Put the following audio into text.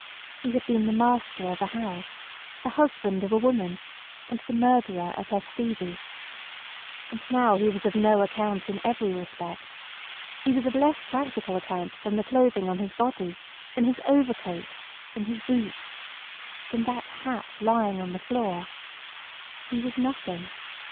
He had been the master of a house, the husband of a woman, and the murderer of her Stevie. And now he was of no account in every respect. He was of less practical account than the clothing on his body, than his overcoat, than his boots—than that hat lying on the floor. He was nothing.